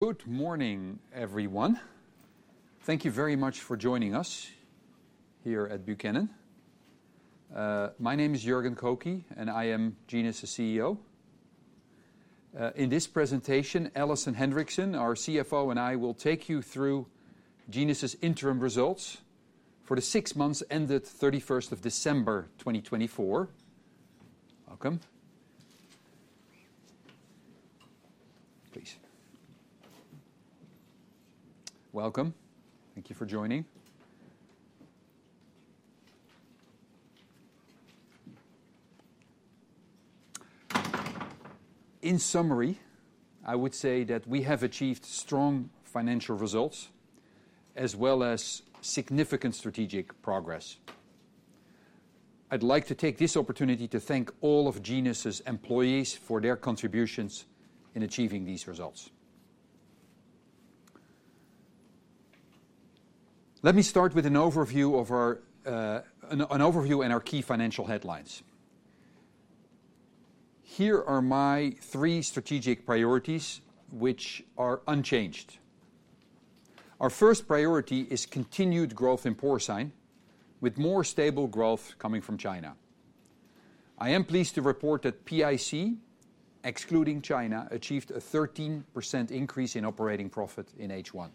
Good morning, everyone. Thank you very much for joining us here at Buchanan. My name is Jørgen Kokke, and I am Genus' CEO. In this presentation, Alison Henriksen, our CFO, and I will take you through Genus' interim results for the six months ended 31st of December 2024. Welcome. Thank yo for joining. In summary, I would say that we have achieved strong financial results as well as significant strategic progress. I'd like to take this opportunity to thank all of Genus' employees for their contributions in achieving these results. Let me start with an overview of our key financial headlines. Here are my three strategic priorities, which are unchanged. Our first priority is continued growth in porcine, with more stable growth coming from China. I am pleased to report that PIC, excluding China, achieved a 13% increase in operating profit in H1.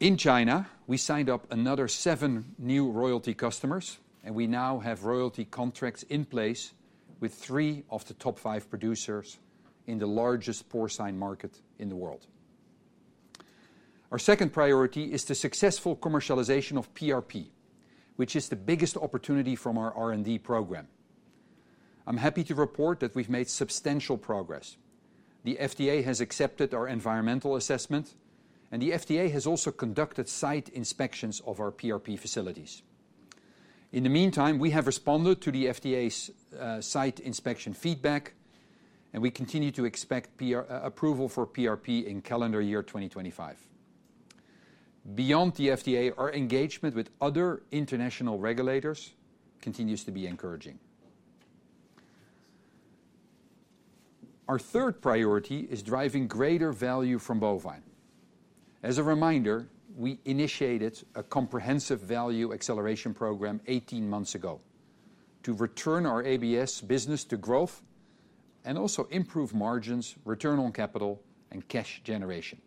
In China, we signed up another seven new royalty customers, and we now have royalty contracts in place with three of the top five producers in the largest porcine market in the world. Our second priority is the successful commercialization of PRP, which is the biggest opportunity from our R&D program. I'm happy to report that we've made substantial progress. The FDA has accepted our environmental assessment, and the FDA has also conducted site inspections of our PRP facilities. In the meantime, we have responded to the FDA's site inspection feedback, and we continue to expect approval for PRP in calendar year 2025. Beyond the FDA, our engagement with other international regulators continues to be encouraging. Our third priority is driving greater value from bovine. As a reminder, we initiated a comprehensive Value Acceleration Program 18 months ago to return our ABS business to growth and also improve margins, return on capital, and cash generation.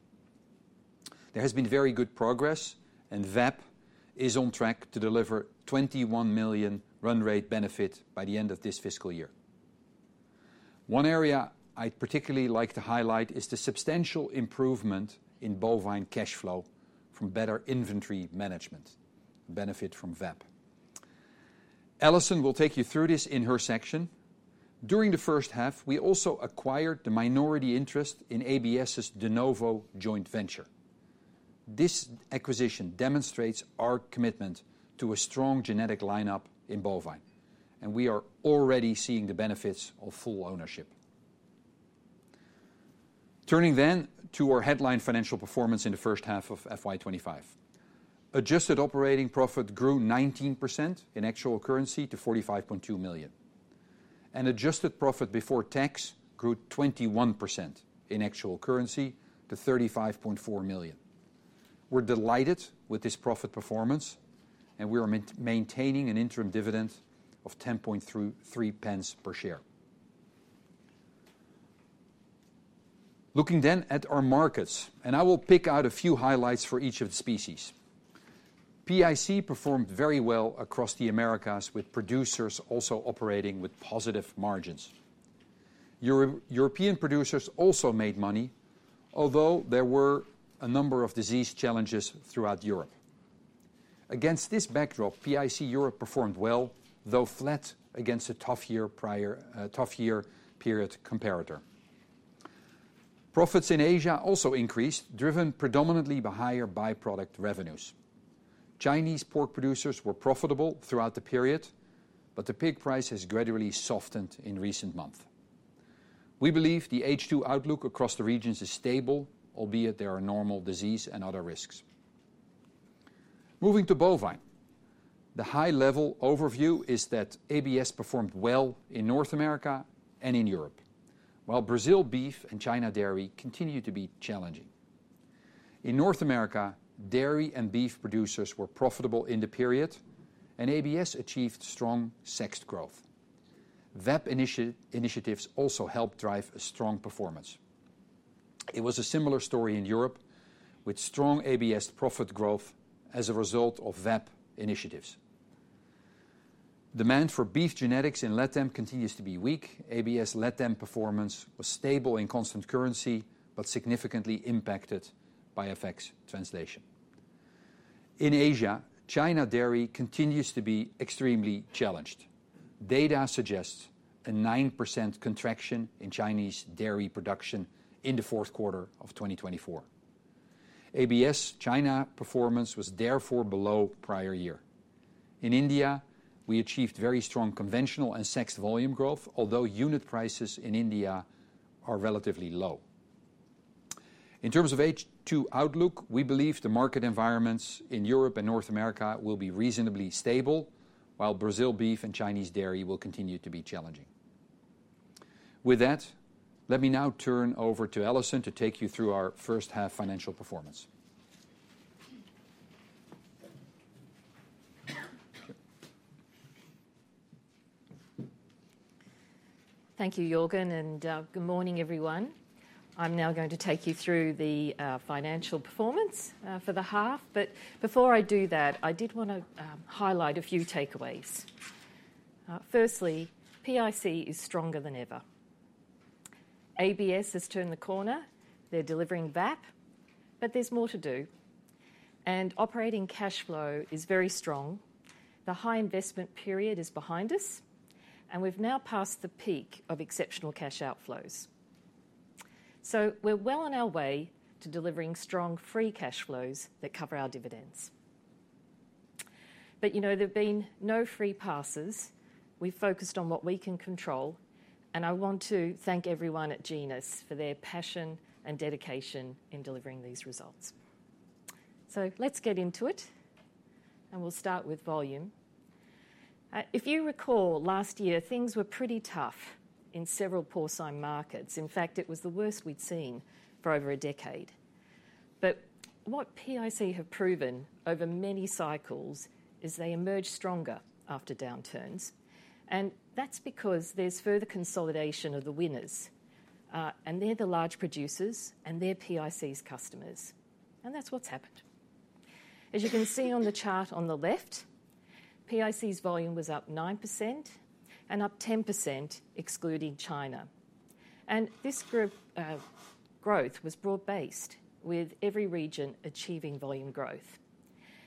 There has been very good progress, and VAP is on track to deliver 21 million run rate benefit by the end of this fiscal year. One area I'd particularly like to highlight is the substantial improvement in bovine cash flow from better inventory management benefit from VAP. Alison will take you through this in her section. During the first half, we also acquired the minority interest in ABS' De Novo joint venture. This acquisition demonstrates our commitment to a strong genetic lineup in bovine, and we are already seeing the benefits of full ownership. Turning then to our headline financial performance in the first half of FY 2025, adjusted operating profit grew 19% in actual currency to 45.2 million, and adjusted profit before tax grew 21% in actual currency to 35.4 million. We're delighted with this profit performance, and we are maintaining an interim dividend of 10.3 pence per share. Looking then at our markets, and I will pick out a few highlights for each of the species. PIC performed very well across the Americas, with producers also operating with positive margins. European producers also made money, although there were a number of disease challenges throughout Europe. Against this backdrop, PIC Europe performed well, though flat against a tough year-prior tough-year-period comparator. Profits in Asia also increased, driven predominantly by higher byproduct revenues. Chinese pork producers were profitable throughout the period, but the pig price has gradually softened in recent months. We believe the H2 outlook across the regions is stable, albeit there are normal disease and other risks. Moving to bovine, the high-level overview is that ABS performed well in North America and in Europe, while Brazil beef and China dairy continue to be challenging. In North America, dairy and beef producers were profitable in the period, and ABS achieved strong sexed growth. VAP initiatives also helped drive a strong performance. It was a similar story in Europe, with strong ABS profit growth as a result of VAP initiatives. Demand for beef genetics in LATAM continues to be weak. ABS LATAM performance was stable in constant currency, but significantly impacted by FX translation. In Asia, China dairy continues to be extremely challenged. Data suggests a 9% contraction in Chinese dairy production in the fourth quarter of 2024. ABS China performance was therefore below prior year. In India, we achieved very strong conventional and sexed volume growth, although unit prices in India are relatively low. In terms of H2 outlook, we believe the market environments in Europe and North America will be reasonably stable, while Brazil beef and Chinese dairy will continue to be challenging. With that, let me now turn over to Alison to take you through our first half financial performance. Thank you, Jørgen, and good morning, everyone. I'm now going to take you through the financial performance for the half, but before I do that, I did want to highlight a few takeaways. Firstly, PIC is stronger than ever. ABS has turned the corner. They're delivering VAP, but there's more to do. And operating cash flow is very strong. The high investment period is behind us, and we've now passed the peak of exceptional cash outflows. So we're well on our way to delivering strong free cash flows that cover our dividends. But you know, there've been no free passes. We've focused on what we can control, and I want to thank everyone at Genus for their passion and dedication in delivering these results. So let's get into it, and we'll start with volume. If you recall last year, things were pretty tough in several porcine markets. In fact, it was the worst we'd seen for over a decade. But what PIC have proven over many cycles is they emerge stronger after downturns, and that's because there's further consolidation of the winners, and they're the large producers and they're PIC's customers, and that's what's happened. As you can see on the chart on the left, PIC's volume was up 9% and up 10%, excluding China, and this growth was broad-based, with every region achieving volume growth,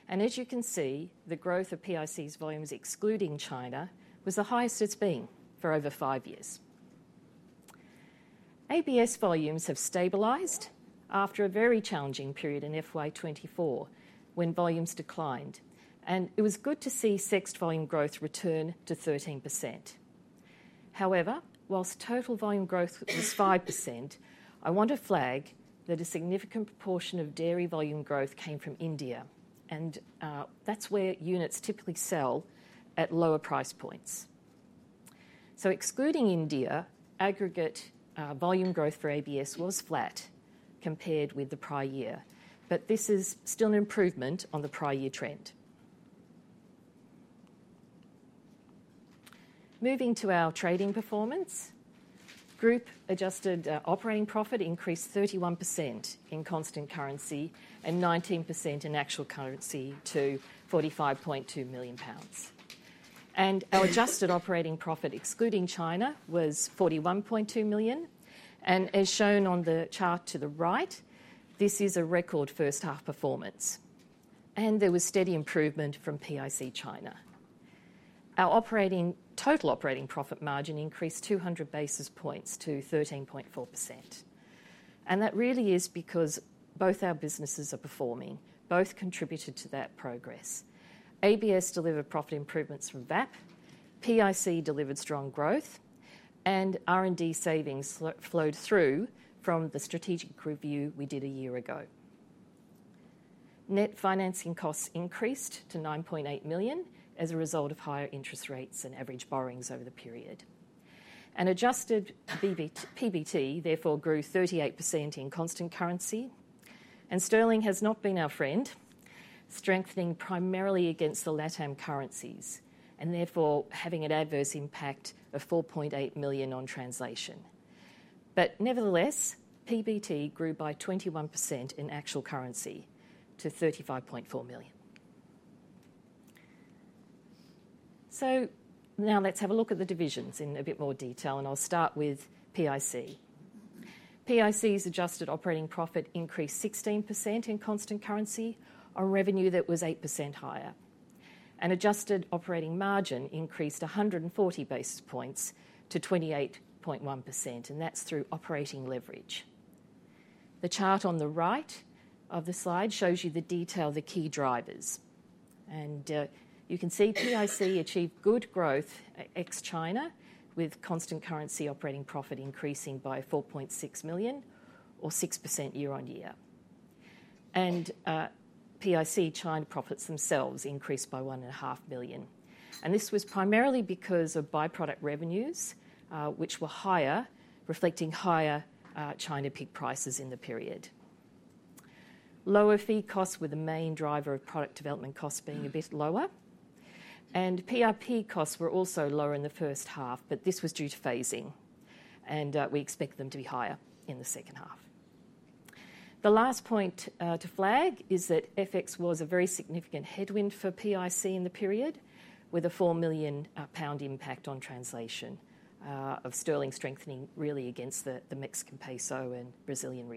and as you can see, the growth of PIC's volumes, excluding China, was the highest it's been for over five years. ABS volumes have stabilized after a very challenging period in FY 2024 when volumes declined, and it was good to see sexed volume growth return to 13%. However, while total volume growth was 5%, I want to flag that a significant proportion of dairy volume growth came from India, and that's where units typically sell at lower price points. So excluding India, aggregate volume growth for ABS was flat compared with the prior year, but this is still an improvement on the prior year trend. Moving to our trading performance, group adjusted operating profit increased 31% in constant currency and 19% in actual currency to 45.2 million pounds, and our adjusted operating profit, excluding China, was 41.2 million, and as shown on the chart to the right, this is a record first half performance, and there was steady improvement from PIC China. Our total operating profit margin increased 200 basis points to 13.4%, and that really is because both our businesses are performing. Both contributed to that progress. ABS delivered profit improvements from VAP, PIC delivered strong growth, and R&D savings flowed through from the strategic review we did a year ago. Net financing costs increased to 9.8 million as a result of higher interest rates and average borrowings over the period. Adjusted PBT therefore grew 38% in constant currency, and sterling has not been our friend, strengthening primarily against the LATAM currencies and therefore having an adverse impact of 4.8 million on translation. Nevertheless, PBT grew by 21% in actual currency to 35.4 million. Now let's have a look at the divisions in a bit more detail, and I'll start with PIC. PIC's adjusted operating profit increased 16% in constant currency on revenue that was 8% higher, and adjusted operating margin increased 140 basis points to 28.1%, and that's through operating leverage. The chart on the right of the slide shows you the detail of the key drivers, and you can see PIC achieved good growth ex-China, with constant currency operating profit increasing by 4.6 million or 6% year on year, and PIC China profits themselves increased by 1.5 million, and this was primarily because of byproduct revenues, which were higher, reflecting higher China pig prices in the period. Lower fee costs were the main driver of product development costs being a bit lower, and PSP costs were also lower in the first half, but this was due to phasing, and we expect them to be higher in the second half. The last point to flag is that FX was a very significant headwind for PIC in the period, with a 4 million pound impact on translation of sterling strengthening really against the Mexican peso and Brazilian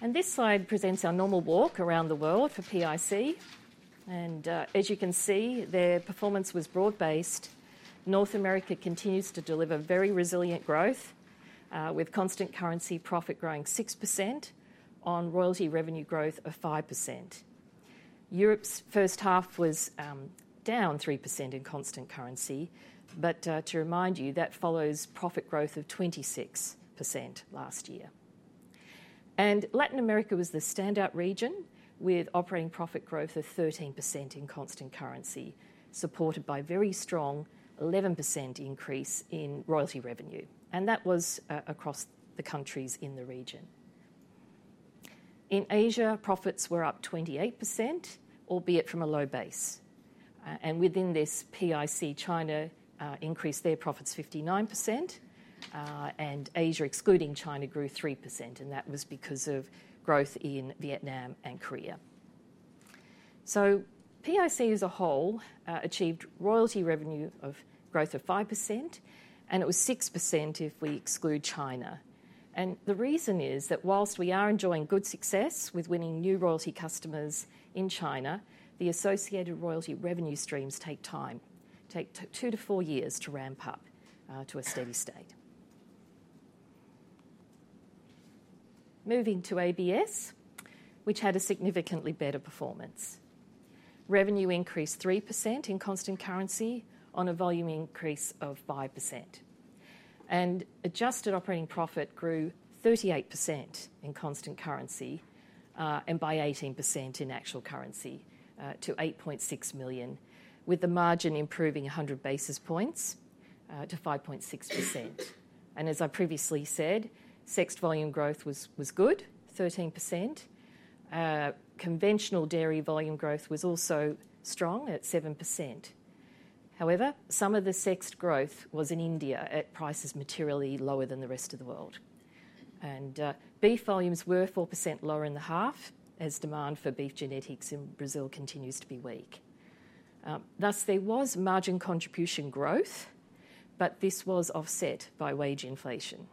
real. This slide presents our normal walk around the world for PIC, and as you can see, their performance was broad-based. North America continues to deliver very resilient growth, with constant currency profit growing 6% on royalty revenue growth of 5%. Europe's first half was down 3% in constant currency, but to remind you, that follows profit growth of 26% last year. Latin America was the standout region, with operating profit growth of 13% in constant currency, supported by a very strong 11% increase in royalty revenue, and that was across the countries in the region. In Asia, profits were up 28%, albeit from a low base, and within this, PIC China increased their profits 59%, and Asia excluding China grew 3%, and that was because of growth in Vietnam and Korea. PIC as a whole achieved royalty revenue growth of 5%, and it was 6% if we exclude China. The reason is that whilst we are enjoying good success with winning new royalty customers in China, the associated royalty revenue streams take time, take two to four years to ramp up to a steady state. Moving to ABS, which had a significantly better performance. Revenue increased 3% in constant currency on a volume increase of 5%, and adjusted operating profit grew 38% in constant currency and by 18% in actual currency to 8.6 million, with the margin improving 100 basis points to 5.6%. As I previously said, sexed volume growth was good, 13%. Conventional dairy volume growth was also strong at 7%. However, some of the sexed growth was in India at prices materially lower than the rest of the world, and beef volumes were 4% lower in the half as demand for beef genetics in Brazil continues to be weak. Thus, there was margin contribution growth, but this was offset by wage inflation.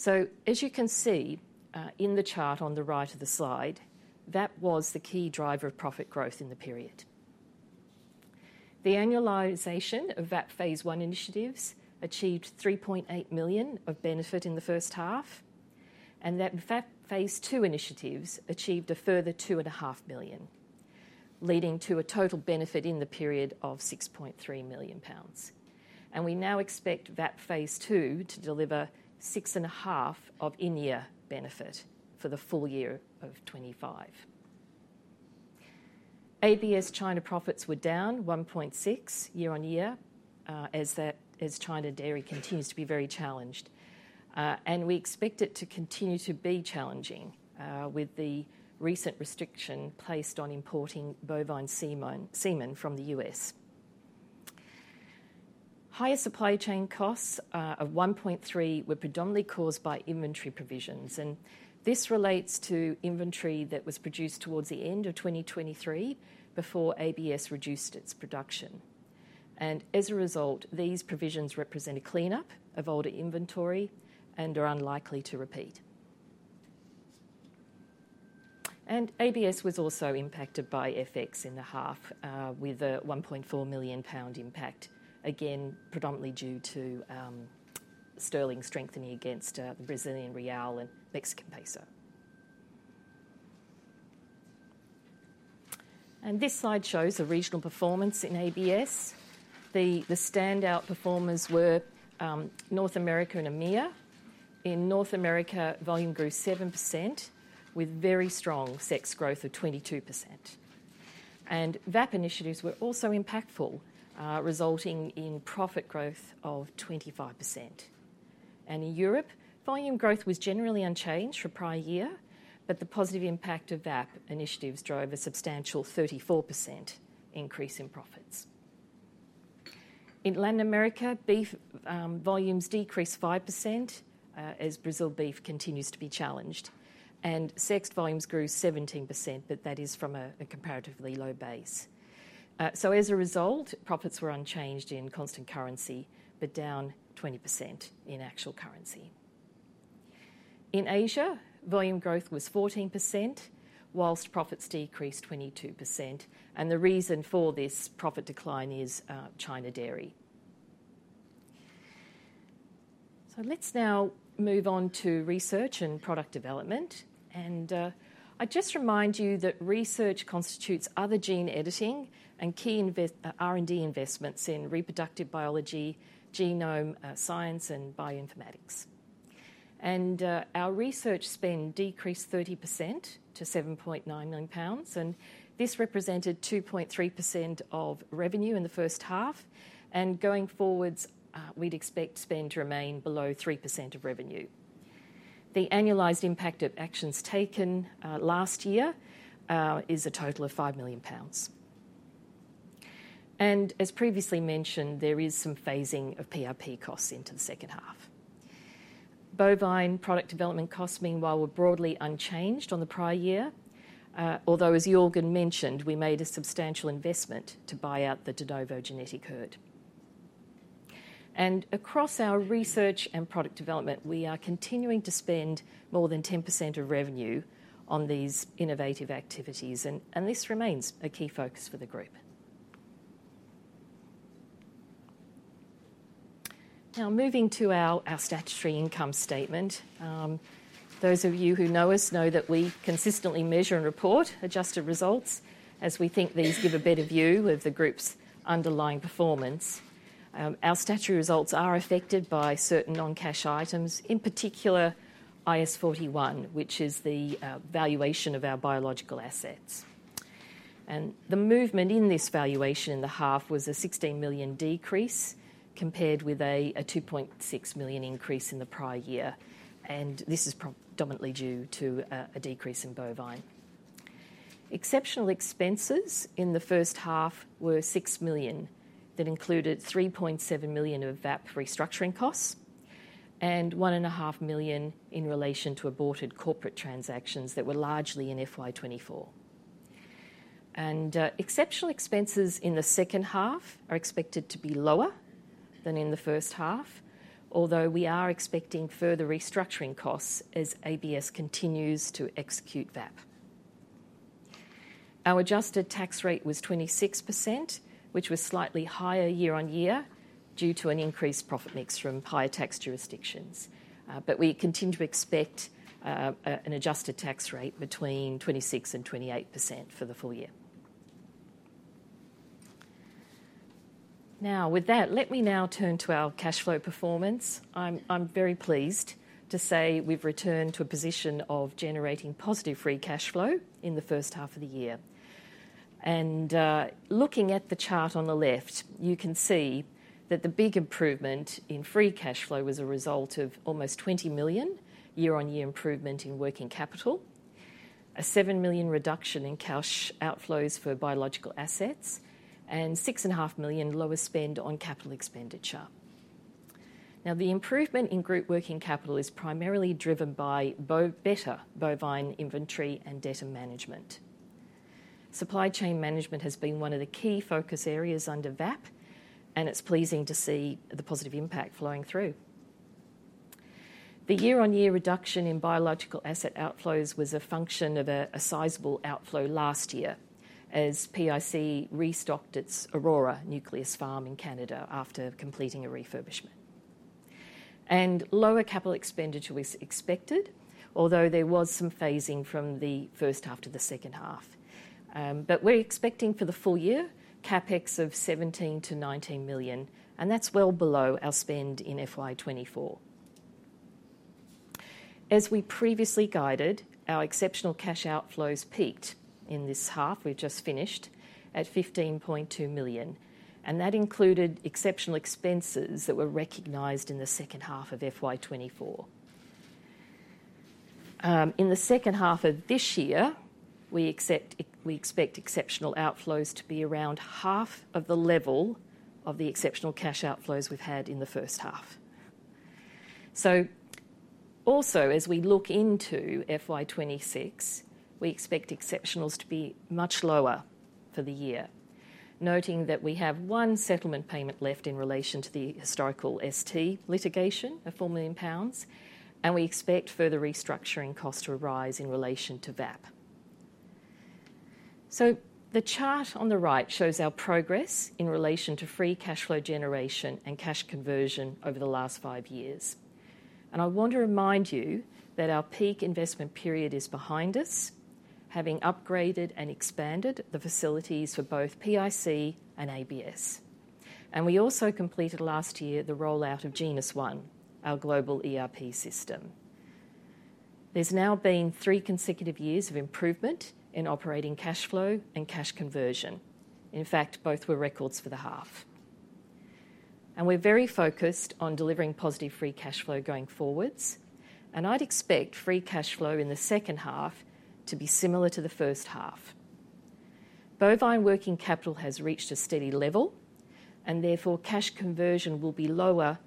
So as you can see in the chart on the right of the slide, that was the key driver of profit growth in the period. The annualization of VAP phase one initiatives achieved 3.8 million of benefit in the first half, and that VAP phase two initiatives achieved a further 2.5 million, leading to a total benefit in the period of 6.3 million pounds. And we now expect VAP phase two to deliver 6.5 million of in-year benefit for the full year of 2025. ABS China profits were down 1.6% year on year as China dairy continues to be very challenged, and we expect it to continue to be challenging with the recent restriction placed on importing bovine semen from the U.S. Higher supply chain costs of 1.3% were predominantly caused by inventory provisions, and this relates to inventory that was produced towards the end of 2023 before ABS reduced its production. As a result, these provisions represent a cleanup of older inventory and are unlikely to repeat. ABS was also impacted by FX in the half with a 1.4 million pound impact, again predominantly due to sterling strengthening against the Brazilian real and Mexican peso. This slide shows the regional performance in ABS. The standout performers were North America and EMEA. In North America, volume grew 7% with very strong sexed growth of 22%. VAP initiatives were also impactful, resulting in profit growth of 25%. In Europe, volume growth was generally unchanged for prior year, but the positive impact of VAP initiatives drove a substantial 34% increase in profits. In Latin America, beef volumes decreased 5% as Brazil beef continues to be challenged, and sexed volumes grew 17%, but that is from a comparatively low base. As a result, profits were unchanged in constant currency, but down 20% in actual currency. In Asia, volume growth was 14% whilst profits decreased 22%, and the reason for this profit decline is China dairy. Let's now move on to research and product development, and I just remind you that research constitutes other gene editing and key R&D investments in reproductive biology, genome science, and bioinformatics. Our research spend decreased 30% to 7.9 million pounds, and this represented 2.3% of revenue in the first half, and going forwards, we'd expect spend to remain below 3% of revenue. The annualized impact of actions taken last year is a total of 5 million pounds. As previously mentioned, there is some phasing of PIC costs into the second half. Bovine product development costs, meanwhile, were broadly unchanged on the prior year, although, as Jørgen mentioned, we made a substantial investment to buy out the De Novo Genetics herd. Across our research and product development, we are continuing to spend more than 10% of revenue on these innovative activities, and this remains a key focus for the group. Now moving to our statutory income statement, those of you who know us know that we consistently measure and report adjusted results as we think these give a better view of the group's underlying performance. Our statutory results are affected by certain non-cash items, in particular IAS 41, which is the valuation of our biological assets, and the movement in this valuation in the half was a 16 million decrease compared with a 2.6 million increase in the prior year, and this is predominantly due to a decrease in bovine. Exceptional expenses in the first half were 6 million that included 3.7 million of VAP restructuring costs and 1.5 million in relation to aborted corporate transactions that were largely in FY 2024, and exceptional expenses in the second half are expected to be lower than in the first half, although we are expecting further restructuring costs as ABS continues to execute VAP. Our adjusted tax rate was 26%, which was slightly higher year on year due to an increased profit mix from higher tax jurisdictions, but we continue to expect an adjusted tax rate between 26% and 28% for the full year. Now with that, let me now turn to our cash flow performance. I'm very pleased to say we've returned to a position of generating positive free cash flow in the first half of the year. And looking at the chart on the left, you can see that the big improvement in free cash flow was a result of almost 20 million year on year improvement in working capital, a 7 million reduction in cash outflows for biological assets, and 6.5 million lower spend on capital expenditure. Now the improvement in group working capital is primarily driven by better bovine inventory and debtor management. Supply chain management has been one of the key focus areas under VAP, and it's pleasing to see the positive impact flowing through. The year on year reduction in biological asset outflows was a function of a sizable outflow last year as PIC restocked its Aurora nucleus farm in Canada after completing a refurbishment, and lower capital expenditure was expected, although there was some phasing from the first half to the second half, but we're expecting for the full year CapEx of 17 to 19 million, and that's well below our spend in FY 2024. As we previously guided, our exceptional cash outflows peaked in this half we've just finished at 15.2 million, and that included exceptional expenses that were recognized in the second half of FY 2024. In the second half of this year, we expect exceptional outflows to be around half of the level of the exceptional cash outflows we've had in the first half, so also, as we look into FY 2026, we expect exceptional to be much lower for the year, noting that we have one settlement payment left in relation to the historical ST litigation of 4 million pounds, and we expect further restructuring costs to arise in relation to VAP, so the chart on the right shows our progress in relation to free cash flow generation and cash conversion over the last five years, and I want to remind you that our peak investment period is behind us, having upgraded and expanded the facilities for both PIC and ABS, and we also completed last year the rollout of GenusOne, our global ERP system. There's now been three consecutive years of improvement in operating cash flow and cash conversion. In fact, both were records for the half, and we're very focused on delivering positive free cash flow going forwards, and I'd expect free cash flow in the second half to be similar to the first half. Bovine working capital has reached a steady level, and therefore cash conversion will be lower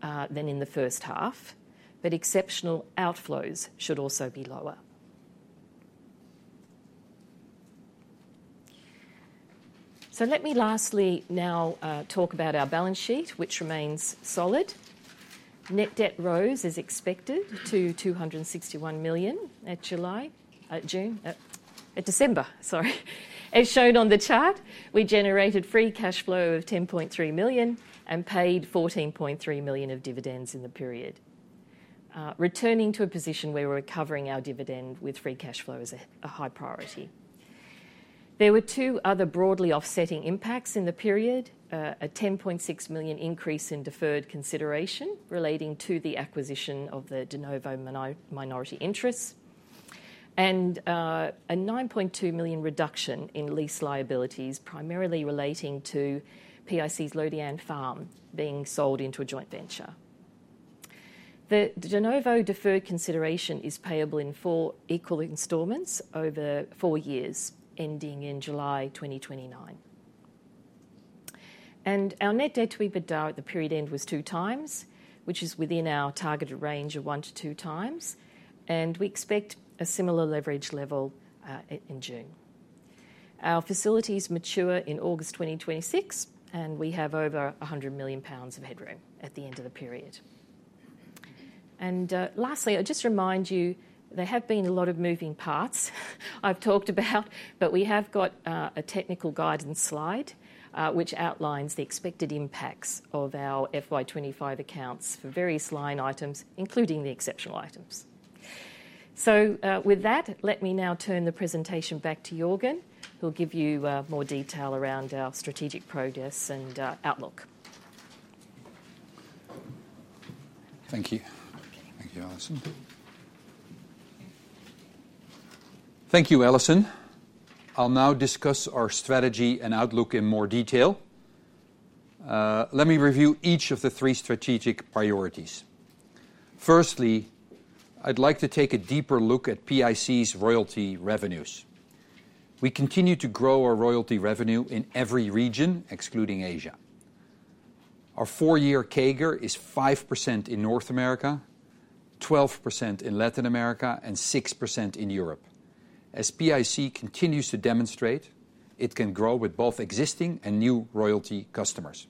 than in the first half, but exceptional outflows should also be lower, so let me lastly now talk about our balance sheet, which remains solid. Net debt rose as expected to 261 million at July, at June, at December, sorry. As shown on the chart, we generated free cash flow of 10.3 million and paid 14.3 million of dividends in the period, returning to a position where we're recovering our dividend with free cash flow as a high priority. There were two other broadly offsetting impacts in the period: a 10.6 million increase in deferred consideration relating to the acquisition of the De Novo minority interests, and a 9.2 million reduction in lease liabilities primarily relating to PIC's Liyang Farm being sold into a joint venture. The De Novo deferred consideration is payable in four equal installments over four years, ending in July 2029. Our net debt to EBITDA at the period end was two times, which is within our targeted range of one to two times, and we expect a similar leverage level in June. Our facilities mature in August 2026, and we have over 100 million pounds of headroom at the end of the period. And lastly, I'll just remind you there have been a lot of moving parts I've talked about, but we have got a technical guidance slide which outlines the expected impacts of our FY 2025 accounts for various line items, including the exceptional items. So with that, let me now turn the presentation back to Jørgen, who'll give you more detail around our strategic progress and outlook. Thank you. Thank you, Alison. Thank you, Alison. I'll now discuss our strategy and outlook in more detail. Let me review each of the three strategic priorities. Firstly, I'd like to take a deeper look at PIC's royalty revenues. We continue to grow our royalty revenue in every region, excluding Asia. Our four-year CAGR is 5% in North America, 12% in Latin America, and 6% in Europe. As PIC continues to demonstrate, it can grow with both existing and new royalty customers.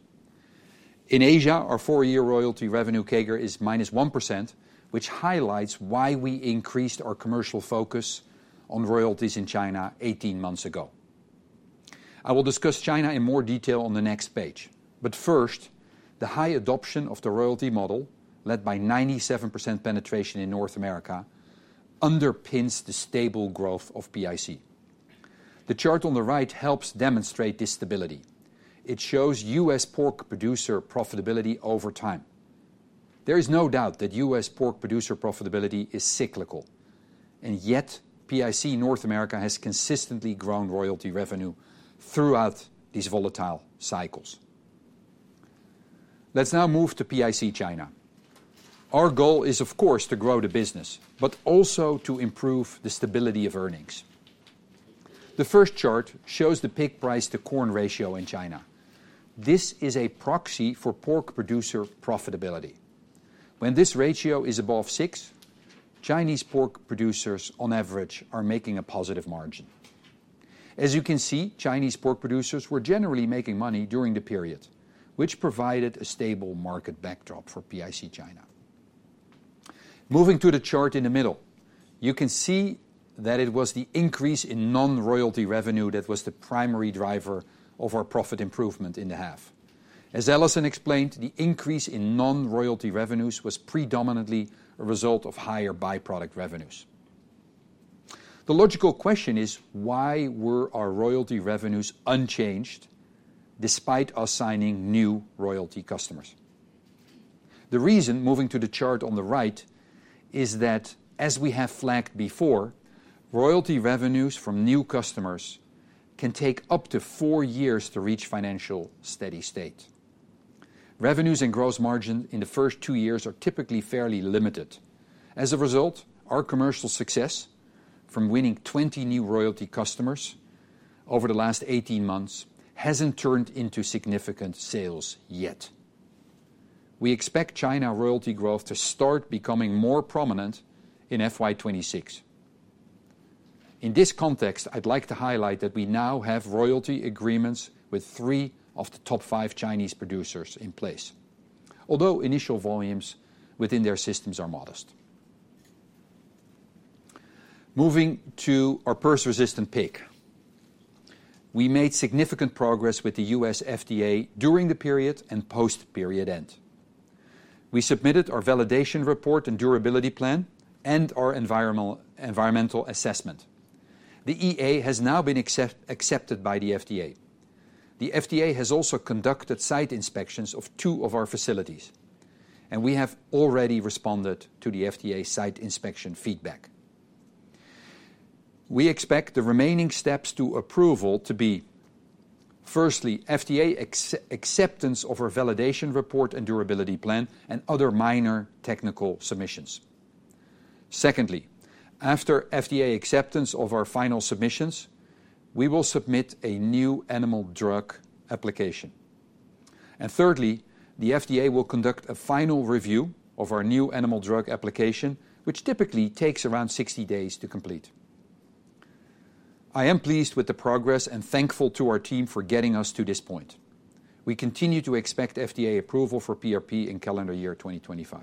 In Asia, our four-year royalty revenue CAGR is -1%, which highlights why we increased our commercial focus on royalties in China 18 months ago. I will discuss China in more detail on the next page, but first, the high adoption of the royalty model, led by 97% penetration in North America, underpins the stable growth of PIC. The chart on the right helps demonstrate this stability. It shows U.S. pork producer profitability over time. There is no doubt that U.S. pork producer profitability is cyclical, and yet PIC North America has consistently grown royalty revenue throughout these volatile cycles. Let's now move to PIC China. Our goal is, of course, to grow the business, but also to improve the stability of earnings. The first chart shows the pig price to corn ratio in China. This is a proxy for pork producer profitability. When this ratio is above six, Chinese pork producers, on average, are making a positive margin. As you can see, Chinese pork producers were generally making money during the period, which provided a stable market backdrop for PIC China. Moving to the chart in the middle, you can see that it was the increase in non-royalty revenue that was the primary driver of our profit improvement in the half. As Alison explained, the increase in non-royalty revenues was predominantly a result of higher byproduct revenues. The logical question is, why were our royalty revenues unchanged despite us signing new royalty customers? The reason, moving to the chart on the right, is that, as we have flagged before, royalty revenues from new customers can take up to four years to reach financial steady state. Revenues and gross margin in the first two years are typically fairly limited. As a result, our commercial success from winning 20 new royalty customers over the last 18 months hasn't turned into significant sales yet. We expect China royalty growth to start becoming more prominent in FY 2026. In this context, I'd like to highlight that we now have royalty agreements with three of the top five Chinese producers in place, although initial volumes within their systems are modest. Moving to our PRRS-resistant pig, we made significant progress with the U.S. FDA during the period and post-period end. We submitted our validation report and durability plan and our environmental assessment. The EA has now been accepted by the FDA. The FDA has also conducted site inspections of two of our facilities, and we have already responded to the FDA site inspection feedback. We expect the remaining steps to approval to be, firstly, FDA acceptance of our validation report and durability plan and other minor technical submissions. Secondly, after FDA acceptance of our final submissions, we will submit a new animal drug application. And thirdly, the FDA will conduct a final review of our New Animal Drug Application, which typically takes around 60 days to complete. I am pleased with the progress and thankful to our team for getting us to this point. We continue to expect FDA approval for PRP in calendar year 2025.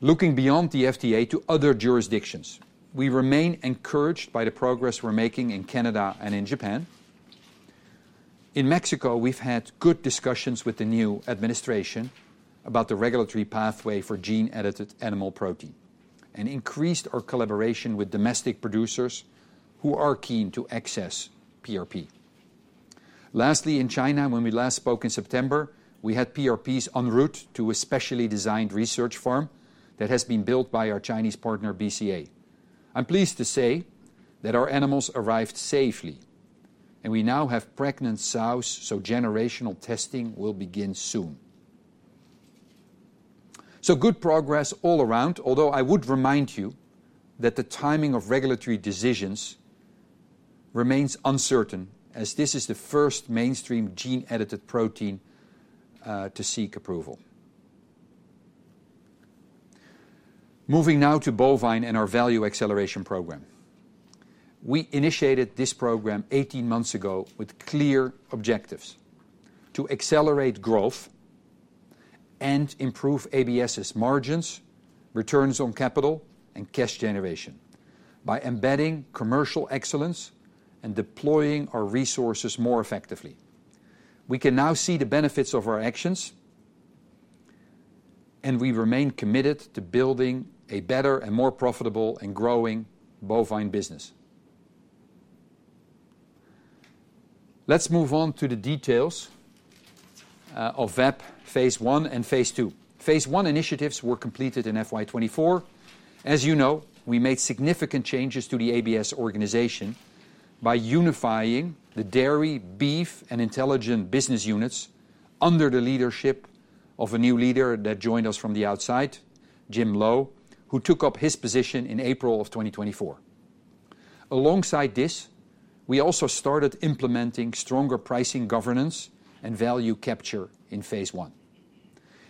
Looking beyond the FDA to other jurisdictions, we remain encouraged by the progress we're making in Canada and in Japan. In Mexico, we've had good discussions with the new administration about the regulatory pathway for gene-edited animal protein and increased our collaboration with domestic producers who are keen to access PRP. Lastly, in China, when we last spoke in September, we had PRPs en route to a specially designed research farm that has been built by our Chinese partner, BCA. I'm pleased to say that our animals arrived safely, and we now have pregnant sows, so generational testing will begin soon. So good progress all around, although I would remind you that the timing of regulatory decisions remains uncertain as this is the first mainstream gene-edited protein to seek approval. Moving now to bovine and our Value Acceleration Program. We initiated this program 18 months ago with clear objectives: to accelerate growth and improve ABS's margins, returns on capital, and cash generation by embedding commercial excellence and deploying our resources more effectively. We can now see the benefits of our actions, and we remain committed to building a better and more profitable and growing bovine business. Let's move on to the details of VAP phase one and phase two. Phase one initiatives were completed in FY 2024. As you know, we made significant changes to the ABS organization by unifying the dairy, beef, and IntelliGen business units under the leadership of a new leader that joined us from the outside, Jim Lowe, who took up his position in April of 2024. Alongside this, we also started implementing stronger pricing governance and value capture in phase one.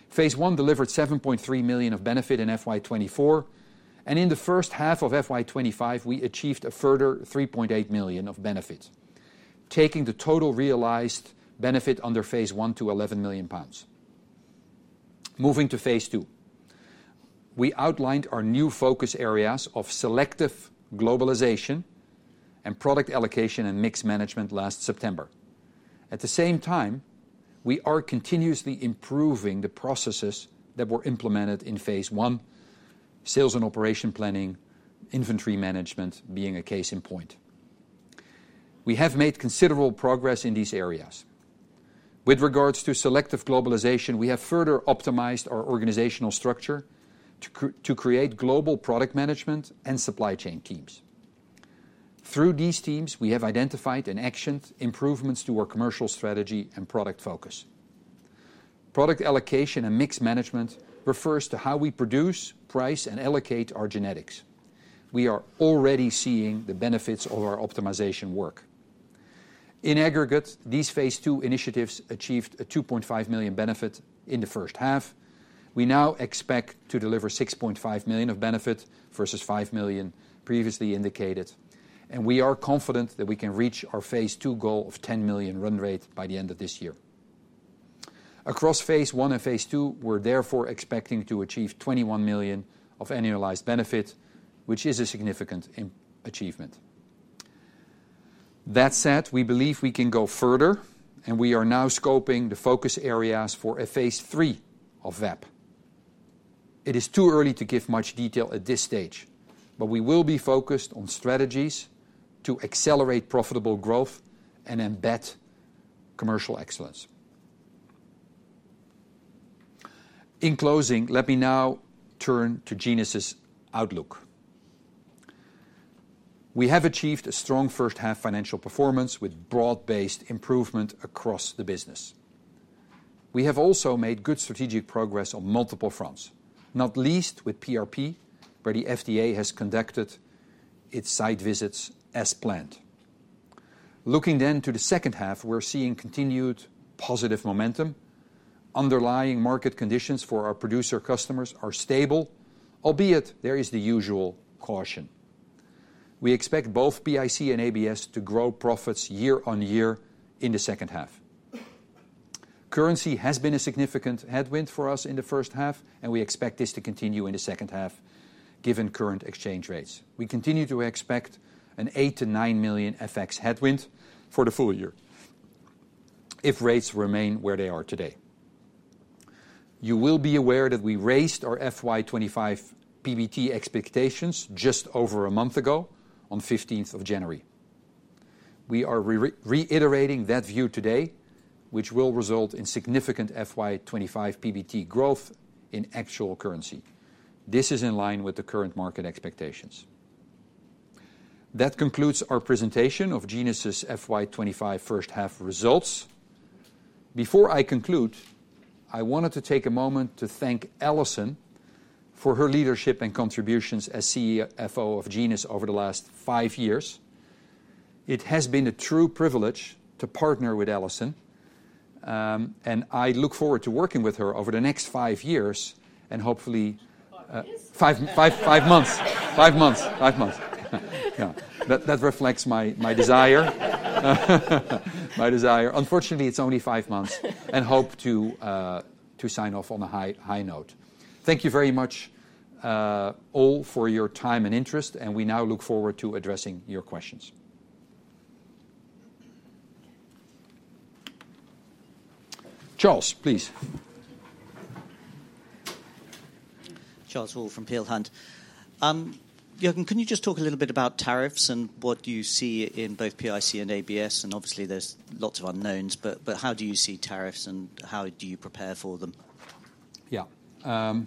Phase one delivered 7.3 million of benefit in FY 2024, and in the first half of FY 2025, we achieved a further 3.8 million of benefit, taking the total realized benefit under phase one to 11 million pounds. Moving to phase two, we outlined our new focus areas of selective globalization and product allocation and mix management last September. At the same time, we are continuously improving the processes that were implemented in phase one, sales and operations planning, inventory management being a case in point. We have made considerable progress in these areas. With regards to selective globalization, we have further optimized our organizational structure to create global product management and supply chain teams. Through these teams, we have identified and actioned improvements to our commercial strategy and product focus. Product allocation and mix management refers to how we produce, price, and allocate our genetics. We are already seeing the benefits of our optimization work. In aggregate, these phase two initiatives achieved a 2.5 million benefit in the first half. We now expect to deliver 6.5 million of benefit versus 5 million previously indicated, and we are confident that we can reach our phase two goal of 10 million run rate by the end of this year. Across phase one and phase two, we're therefore expecting to achieve 21 million of annualized benefit, which is a significant achievement. That said, we believe we can go further, and we are now scoping the focus areas for phase three of VAP. It is too early to give much detail at this stage, but we will be focused on strategies to accelerate profitable growth and embed commercial excellence. In closing, let me now turn to Genus's outlook. We have achieved a strong first half financial performance with broad-based improvement across the business. We have also made good strategic progress on multiple fronts, not least with PRP, where the FDA has conducted its site visits as planned. Looking then to the second half, we're seeing continued positive momentum. Underlying market conditions for our producer customers are stable, albeit there is the usual caution. We expect both PIC and ABS to grow profits year on year in the second half. Currency has been a significant headwind for us in the first half, and we expect this to continue in the second half given current exchange rates. We continue to expect a 8-9 million FX headwind for the full year if rates remain where they are today. You will be aware that we raised our FY 2025 PBT expectations just over a month ago on 15th of January. We are reiterating that view today, which will result in significant FY 2025 PBT growth in actual currency. This is in line with the current market expectations. That concludes our presentation of Genus's FY 2025 first half results. Before I conclude, I wanted to take a moment to thank Alison for her leadership and contributions as CFO of Genus over the last five years. It has been a true privilege to partner with Alison, and I look forward to working with her over the next five years and hopefully five months. Five months. Five months. Yeah. That reflects my desire. My desire. Unfortunately, it's only five months and hope to sign off on a high note. Thank you very much all for your time and interest, and we now look forward to addressing your questions. Charles, please. Charles Hall from Peel Hunt. Jørgen, can you just talk a little bit about tariffs and what you see in both PIC and ABS? And obviously, there's lots of unknowns, but how do you see tariffs and how do you prepare for them? Yeah.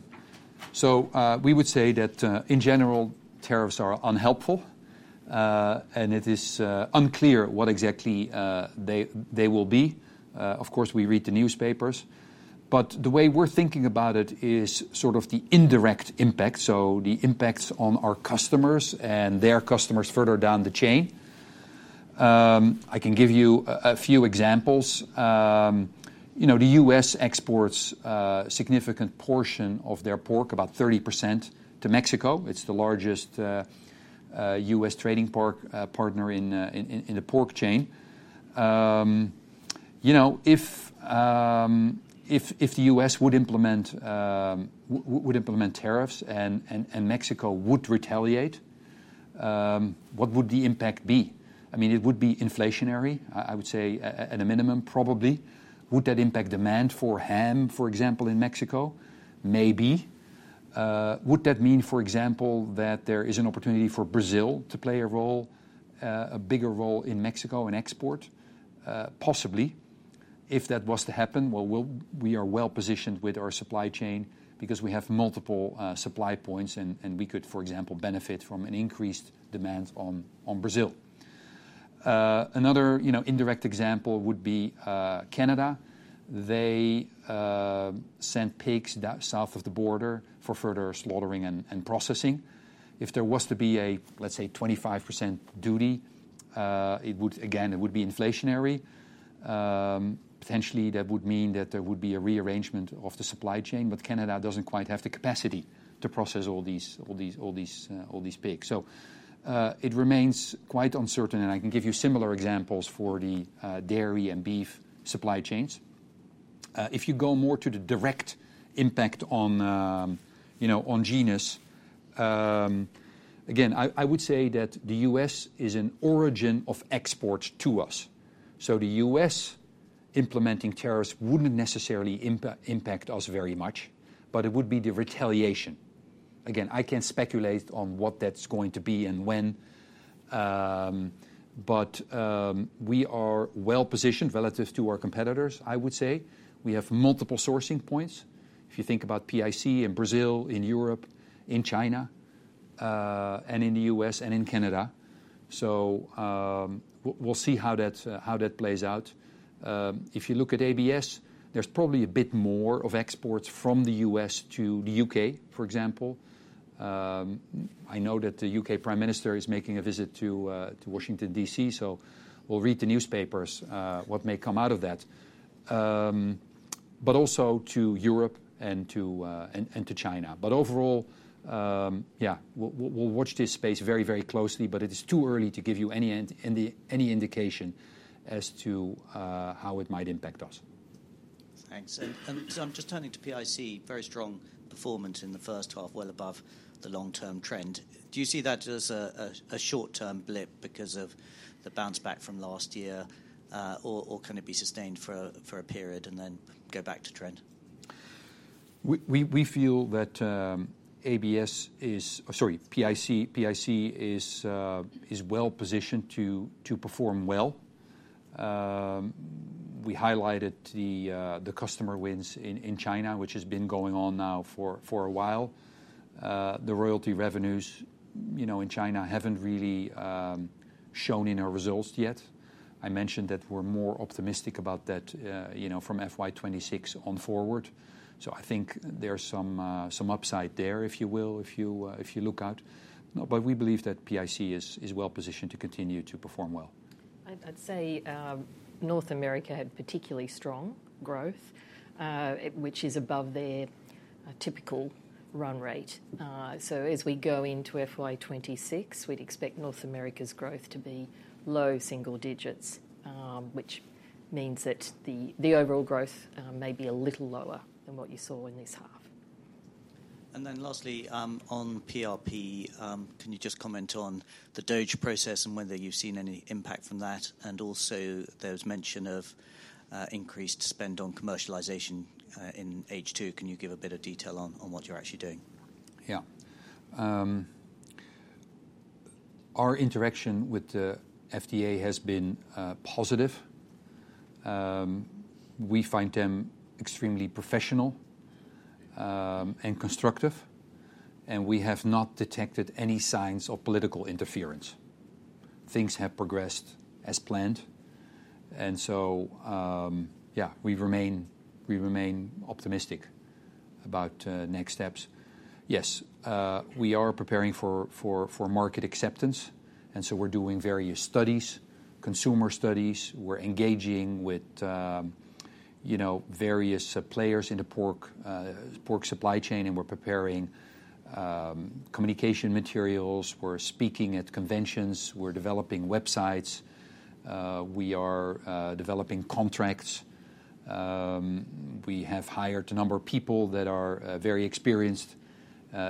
So we would say that, in general, tariffs are unhelpful, and it is unclear what exactly they will be. Of course, we read the newspapers, but the way we're thinking about it is sort of the indirect impact, so the impacts on our customers and their customers further down the chain. I can give you a few examples. The U.S. exports a significant portion of their pork, about 30%, to Mexico. It's the largest U.S. trading partner in the pork chain. If the U.S. would implement tariffs and Mexico would retaliate, what would the impact be? I mean, it would be inflationary, I would say, at a minimum, probably. Would that impact demand for ham, for example, in Mexico? Maybe. Would that mean, for example, that there is an opportunity for Brazil to play a role, a bigger role in Mexico and export? Possibly. If that was to happen, well, we are well positioned with our supply chain because we have multiple supply points, and we could, for example, benefit from an increased demand on Brazil. Another indirect example would be Canada. They sent pigs south of the border for further slaughtering and processing. If there was to be a, let's say, 25% duty, it would, again, it would be inflationary. Potentially, that would mean that there would be a rearrangement of the supply chain, but Canada doesn't quite have the capacity to process all these pigs. So it remains quite uncertain, and I can give you similar examples for the dairy and beef supply chains. If you go more to the direct impact on Genus, again, I would say that the U.S. is an origin of exports to us. So the U.S. implementing tariffs wouldn't necessarily impact us very much, but it would be the retaliation. Again, I can speculate on what that's going to be and when, but we are well positioned relative to our competitors, I would say. We have multiple sourcing points. If you think about PIC in Brazil, in Europe, in China, and in the U.S. and in Canada, so we'll see how that plays out. If you look at ABS, there's probably a bit more of exports from the U.S. to the U.K., for example. I know that the U.K. Prime Minister is making a visit to Washington, D.C., so we'll read the newspapers what may come out of that, but also to Europe and to China. But overall, yeah, we'll watch this space very, very closely, but it is too early to give you any indication as to how it might impact us. Thanks. And so I'm just turning to PIC. Very strong performance in the first half, well above the long-term trend. Do you see that as a short-term blip because of the bounce back from last year, or can it be sustained for a period and then go back to trend? We feel that ABS is, or sorry, PIC is well positioned to perform well. We highlighted the customer wins in China, which has been going on now for a while. The royalty revenues in China haven't really shown in our results yet. I mentioned that we're more optimistic about that from FY 2026 on forward. So I think there's some upside there, if you will, if you look out. But we believe that PIC is well positioned to continue to perform well. I'd say North America had particularly strong growth, which is above their typical run rate. So as we go into FY 2026, we'd expect North America's growth to be low single digits, which means that the overall growth may be a little lower than what you saw in this half. And then lastly, on PRP, can you just comment on the DOGE process and whether you've seen any impact from that? And also there was mention of increased spend on commercialization in H2. Can you give a bit of detail on what you're actually doing? Yeah. Our interaction with the FDA has been positive. We find them extremely professional and constructive, and we have not detected any signs of political interference. Things have progressed as planned. And so, yeah, we remain optimistic about next steps. Yes, we are preparing for market acceptance, and so we're doing various studies, consumer studies. We're engaging with various players in the pork supply chain, and we're preparing communication materials. We're speaking at conventions. We're developing websites. We are developing contracts. We have hired a number of people that are very experienced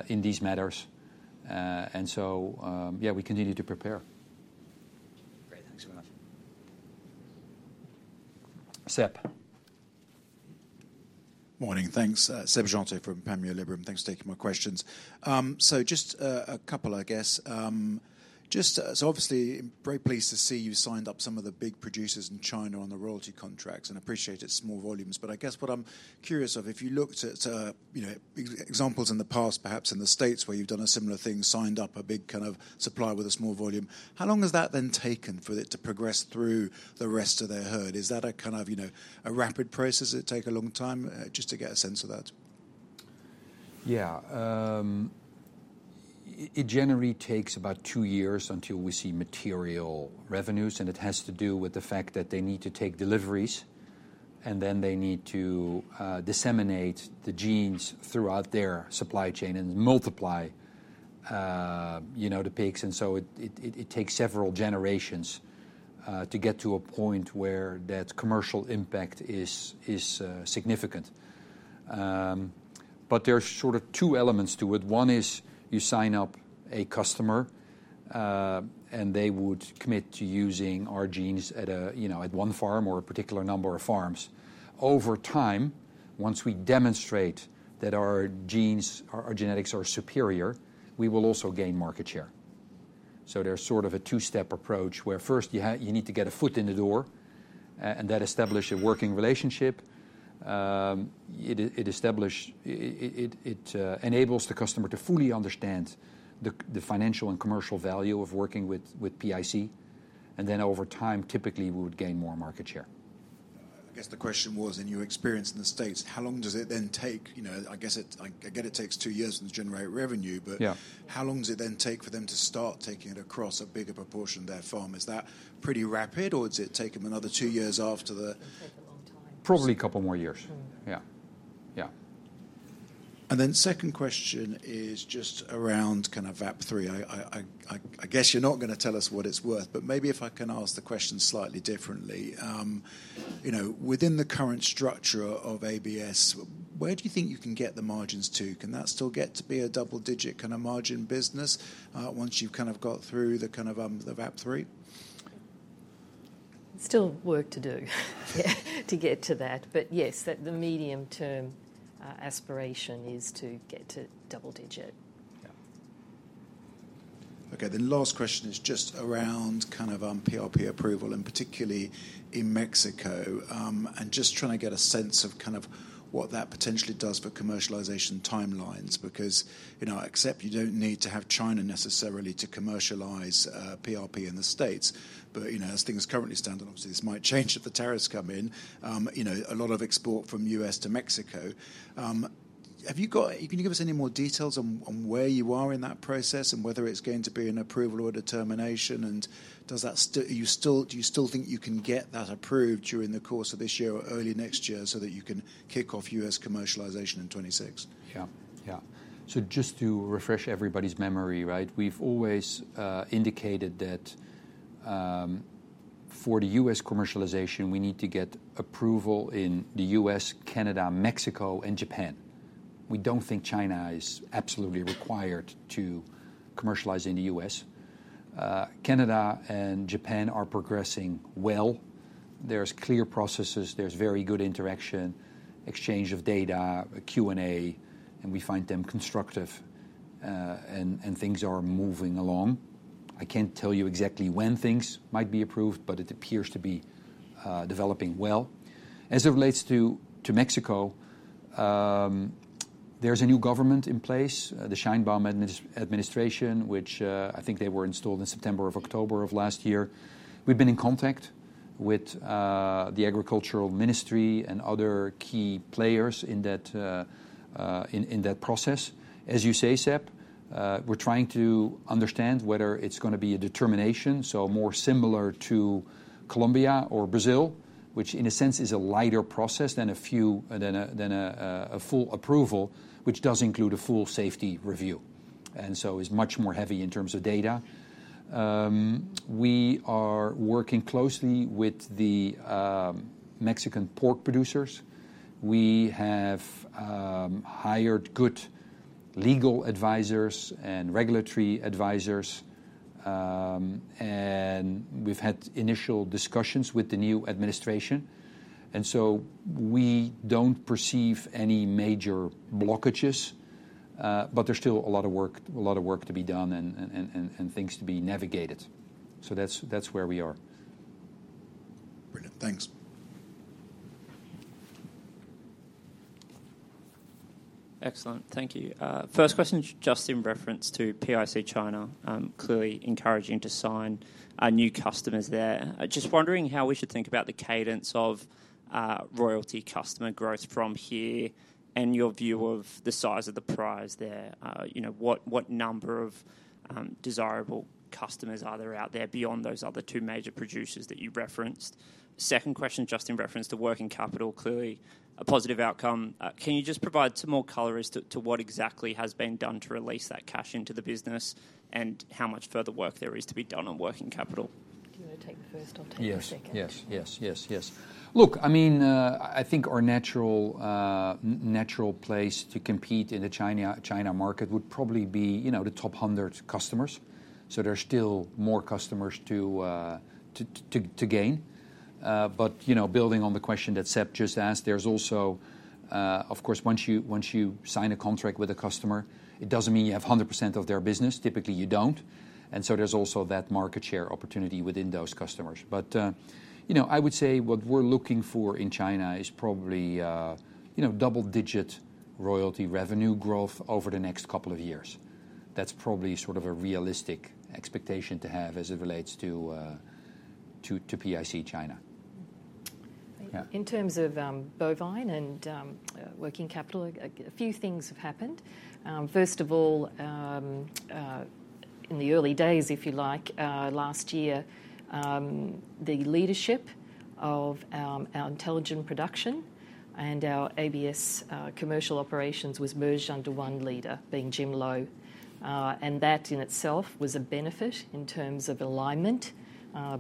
in these matters. And so, yeah, we continue to prepare. Great. Thanks very much. Seb. Morning. Thanks. Seb Jantet from Panmure Liberum. Thanks for taking my questions. So just a couple, I guess. Just, so obviously, very pleased to see you signed up some of the big producers in China on the royalty contracts and appreciated small volumes. But I guess what I'm curious of, if you looked at examples in the past, perhaps in the States where you've done a similar thing, signed up a big kind of supplier with a small volume, how long has that then taken for it to progress through the rest of their herd? Is that a kind of a rapid process? Does it take a long time just to get a sense of that? Yeah. It generally takes about two years until we see material revenues, and it has to do with the fact that they need to take deliveries, and then they need to disseminate the genes throughout their supply chain and multiply the pigs, and so it takes several generations to get to a point where that commercial impact is significant, but there are sort of two elements to it. One is you sign up a customer, and they would commit to using our genes at one farm or a particular number of farms. Over time, once we demonstrate that our genes, our genetics are superior, we will also gain market share, so there's sort of a two-step approach where first you need to get a foot in the door and then establish a working relationship. It enables the customer to fully understand the financial and commercial value of working with PIC. Over time, typically, we would gain more market share. I guess the question was, in your experience in the States, how long does it then take? I guess I get it takes two years to generate revenue, but how long does it then take for them to start taking it across a bigger proportion of their farm? Is that pretty rapid, or does it take them another two years after the? Probably a couple more years. Yeah. Yeah. And then second question is just around kind of VAP3. I guess you're not going to tell us what it's worth, but maybe if I can ask the question slightly differently. Within the current structure of ABS, where do you think you can get the margins to? Can that still get to be a double-digit kind of margin business once you've kind of got through the kind of VAP3? Still work to do to get to that. But yes, the medium-term aspiration is to get to double-digit. Yeah. Okay. The last question is just around kind of PRP approval, and particularly in Mexico, and just trying to get a sense of kind of what that potentially does for commercialization timelines, because I accept you don't need to have China necessarily to commercialize PRP in the States, but as things currently stand, and obviously, this might change if the tariffs come in, a lot of export from the U.S. to Mexico. Have you got, can you give us any more details on where you are in that process and whether it's going to be an approval or a determination, and do you still think you can get that approved during the course of this year or early next year so that you can kick off US commercialization in 2026? Yeah. Yeah, so just to refresh everybody's memory, right, we've always indicated that for the U.S. commercialization, we need to get approval in the U.S., Canada, Mexico, and Japan. We don't think China is absolutely required to commercialize in the U.S. Canada and Japan are progressing well. There's clear processes. There's very good interaction, exchange of data, Q&A, and we find them constructive, and things are moving along. I can't tell you exactly when things might be approved, but it appears to be developing well. As it relates to Mexico, there's a new government in place, the Sheinbaum administration, which I think they were installed in September or October of last year. We've been in contact with the Agricultural Ministry and other key players in that process. As you say, Seb, we're trying to understand whether it's going to be a determination, so more similar to Colombia or Brazil, which in a sense is a lighter process than a full approval, which does include a full safety review, and so is much more heavy in terms of data. We are working closely with the Mexican pork producers. We have hired good legal advisors and regulatory advisors, and we've had initial discussions with the new administration. And so we don't perceive any major blockages, but there's still a lot of work to be done and things to be navigated. So that's where we are. Brilliant. Thanks. Excellent. Thank you. First question, just in reference to PIC China, clearly encouraging to sign new customers there. Just wondering how we should think about the cadence of royalty customer growth from here and your view of the size of the prize there. What number of desirable customers are there out there beyond those other two major producers that you referenced? Second question, just in reference to working capital, clearly a positive outcome. Can you just provide some more color as to what exactly has been done to release that cash into the business and how much further work there is to be done on working capital? Do you want to take the first or take the second? Yes. Yes. Yes. Yes. Look, I mean, I think our natural place to compete in the China market would probably be the top 100 customers, so there's still more customers to gain, but building on the question that Seb just asked, there's also, of course, once you sign a contract with a customer, it doesn't mean you have 100% of their business. Typically, you don't, and so there's also that market share opportunity within those customers, but I would say what we're looking for in China is probably double-digit royalty revenue growth over the next couple of years. That's probably sort of a realistic expectation to have as it relates to PIC China. In terms of bovine and working capital, a few things have happened. First of all, in the early days, if you like, last year, the leadership of our intelligent production and our ABS commercial operations was merged under one leader, being Jim Lowe, and that in itself was a benefit in terms of alignment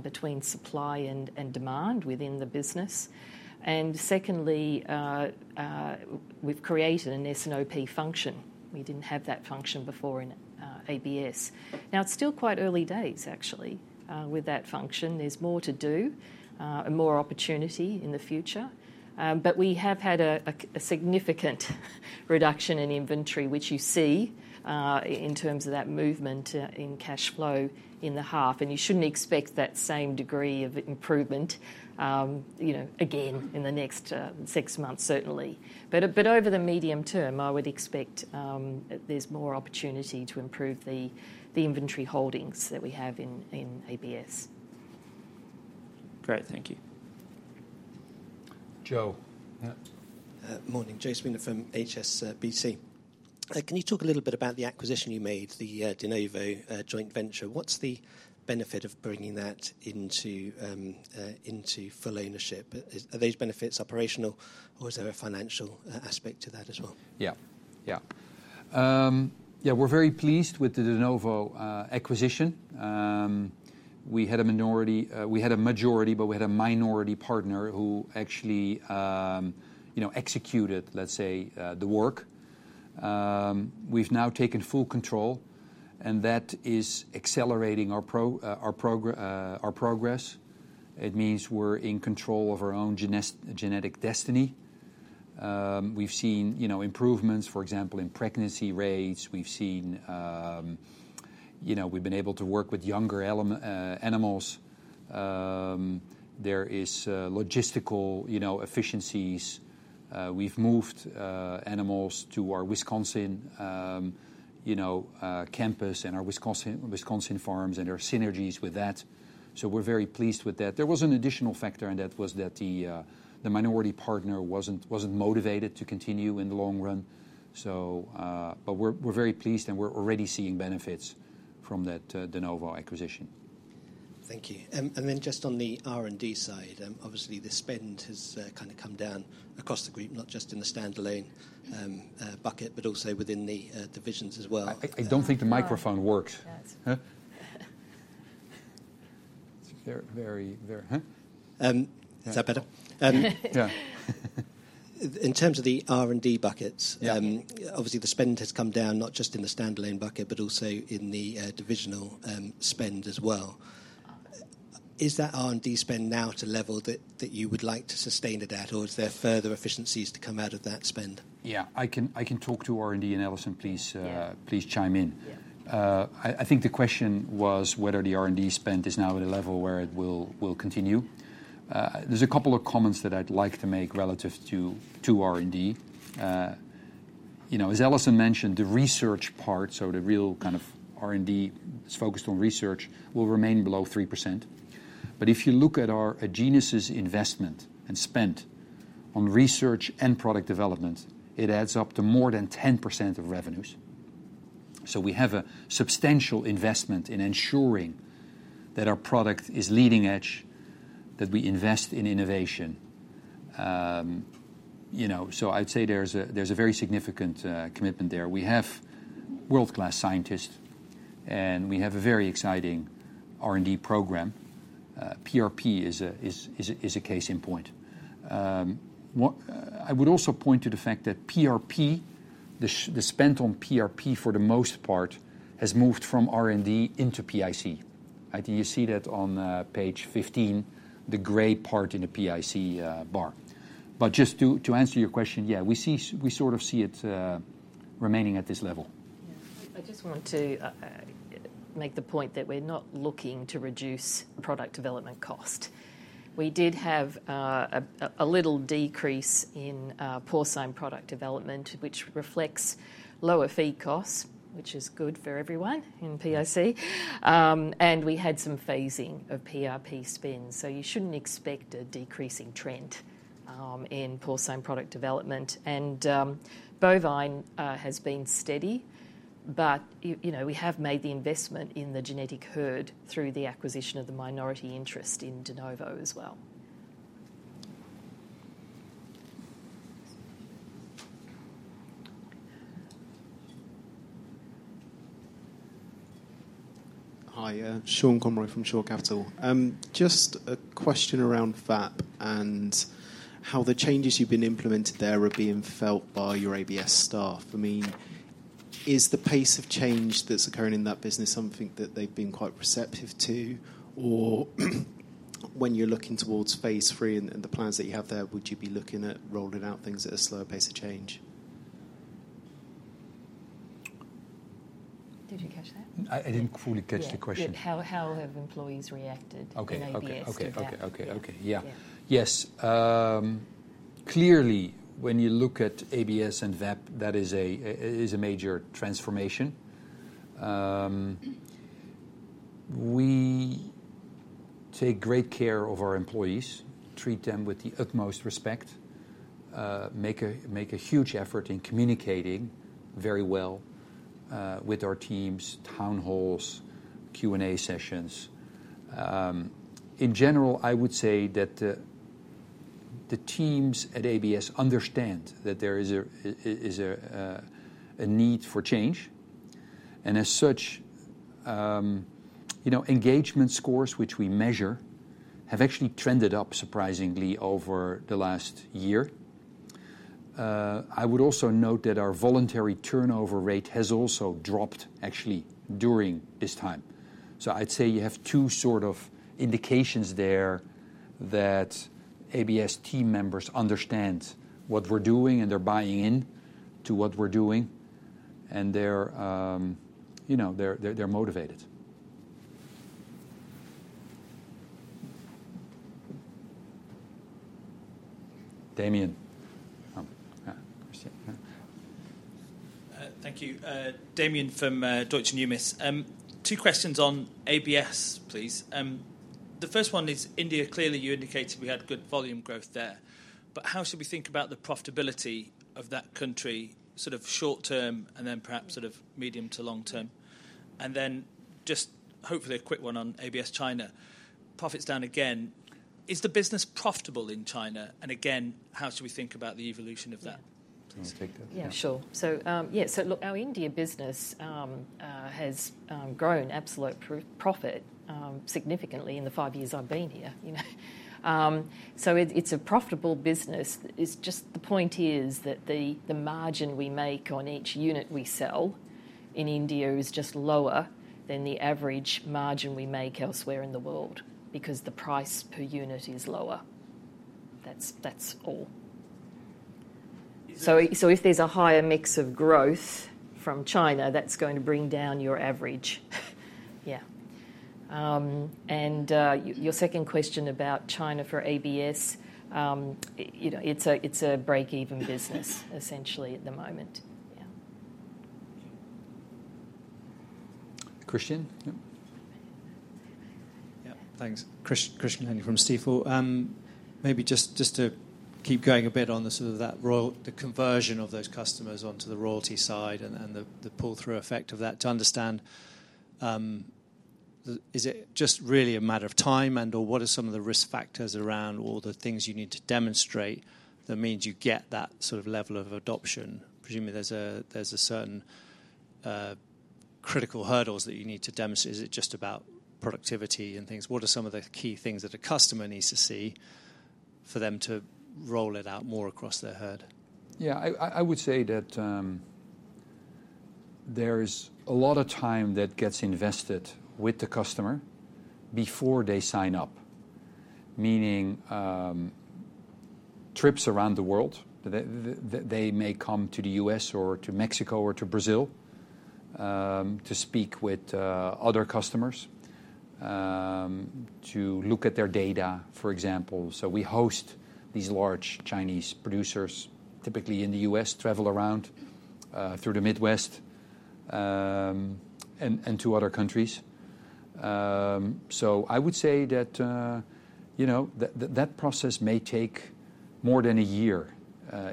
between supply and demand within the business, and secondly, we've created an S&OP function. We didn't have that function before in ABS. Now, it's still quite early days, actually, with that function. There's more to do, more opportunity in the future, but we have had a significant reduction in inventory, which you see in terms of that movement in cash flow in the half, and you shouldn't expect that same degree of improvement again in the next six months, certainly. But over the medium term, I would expect there's more opportunity to improve the inventory holdings that we have in ABS. Great. Thank you. Joe Morning. Joe Spooner from HSBC. Can you talk a little bit about the acquisition you made, the De Novo joint venture? What's the benefit of bringing that into full ownership? Are those benefits operational, or is there a financial aspect to that as well? Yeah. Yeah. Yeah. We're very pleased with the De Novo acquisition. We had a majority, but we had a minority partner who actually executed, let's say, the work. We've now taken full control, and that is accelerating our progress. It means we're in control of our own genetic destiny. We've seen improvements, for example, in pregnancy rates. We've been able to work with younger animals. There are logistical efficiencies. We've moved animals to our Wisconsin campus and our Wisconsin farms and our synergies with that. So we're very pleased with that. There was an additional factor, and that was that the minority partner wasn't motivated to continue in the long run. But we're very pleased, and we're already seeing benefits from that De Novo acquisition. Thank you. And then just on the R&D side, obviously, the spend has kind of come down across the group, not just in the standalone bucket, but also within the divisions as well. I don't think the microphone worked. Is that better? Yeah. In terms of the R&D buckets, obviously, the spend has come down not just in the standalone bucket, but also in the divisional spend as well. Is that R&D spend now at a level that you would like to sustain at that, or is there further efficiencies to come out of that spend? Yeah. I can talk to R&D, and Alison, please chime in. I think the question was whether the R&D spend is now at a level where it will continue. There's a couple of comments that I'd like to make relative to R&D. As Alison mentioned, the research part, so the real kind of R&D that's focused on research, will remain below 3%. But if you look at our Genus investment and spend on research and product development, it adds up to more than 10% of revenues. So we have a substantial investment in ensuring that our product is leading edge, that we invest in innovation. So I'd say there's a very significant commitment there. We have world-class scientists, and we have a very exciting R&D program. PRP is a case in point. I would also point to the fact that PRP, the spend on PRP for the most part, has moved from R&D into PIC. You see that on page 15, the gray part in the PIC bar. But just to answer your question, yeah, we sort of see it remaining at this level. I just want to make the point that we're not looking to reduce product development cost. We did have a little decrease in porcine product development, which reflects lower feed costs, which is good for everyone in PIC. And we had some phasing of PRP spend. So you shouldn't expect a decreasing trend in porcine product development. And bovine has been steady, but we have made the investment in the genetic herd through the acquisition of the minority interest in De Novo as well. Hi. Sean Conroy from Shore Capital. Just a question around VAP and how the changes you've been implementing there are being felt by your ABS staff. I mean, is the pace of change that's occurring in that business something that they've been quite receptive to? Or when you're looking towards phase three and the plans that you have there, would you be looking at rolling out things at a slower pace of change? Did you catch that? I didn't fully catch the question. How have employees reacted in ABS? Yeah. Yes. Clearly, when you look at ABS and VAP, that is a major transformation. We take great care of our employees, treat them with the utmost respect, make a huge effort in communicating very well with our teams, town halls, Q&A sessions. In general, I would say that the teams at ABS understand that there is a need for change. And as such, engagement scores, which we measure, have actually trended up surprisingly over the last year. I would also note that our voluntary turnover rate has also dropped actually during this time. So I'd say you have two sort of indications there that ABS team members understand what we're doing and they're buying into what we're doing, and they're motivated. Damian. Thank you. Damian from Deutsche Numis. Two questions on ABS, please. The first one is India. Clearly, you indicated we had good volume growth there. But how should we think about the profitability of that country sort of short term and then perhaps sort of medium to long term? And then just hopefully a quick one on ABS China. Profits down again. Is the business profitable in China? And again, how should we think about the evolution of that? Yeah. Sure. So yeah, so look, our India business has grown absolute profit significantly in the five years I've been here. So it's a profitable business. It's just the point is that the margin we make on each unit we sell in India is just lower than the average margin we make elsewhere in the world because the price per unit is lower. That's all. So if there's a higher mix of growth from China, that's going to bring down your average. Yeah. And your second question about China for ABS, it's a break-even business essentially at the moment. Yeah. Christian. Yeah. Thanks. Christian from Stifel. Maybe just to keep going a bit on sort of that conversion of those customers onto the royalty side and the pull-through effect of that to understand, is it just really a matter of time and/or what are some of the risk factors around all the things you need to demonstrate that means you get that sort of level of adoption? Presumably, there's a certain critical hurdles that you need to demonstrate. Is it just about productivity and things? What are some of the key things that a customer needs to see for them to roll it out more across their herd? Yeah. I would say that there is a lot of time that gets invested with the customer before they sign up, meaning trips around the world. They may come to the US or to Mexico or to Brazil to speak with other customers, to look at their data, for example. So we host these large Chinese producers typically in the US, travel around through the Midwest and to other countries. So I would say that that process may take more than a year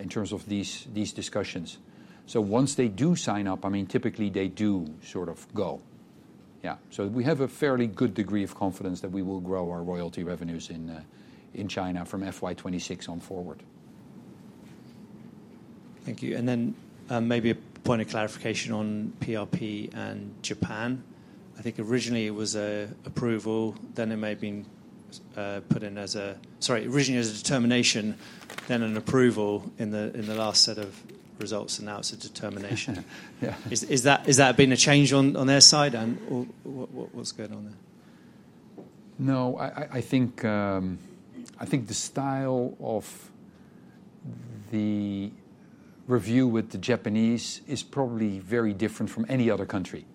in terms of these discussions. So once they do sign up, I mean, typically they do sort of go. Yeah. So we have a fairly good degree of confidence that we will grow our royalty revenues in China from FY26 on forward. Thank you, and then maybe a point of clarification on PRP and Japan. I think originally it was an approval, then it may have been put in as a, sorry, originally as a determination, then an approval in the last set of results, and now it's a determination. Is that been a change on their side? What's going on there? No. I think the style of the review with the Japanese is probably very different from any other country,